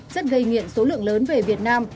chất gây nghiện số lượng lớn về việt nam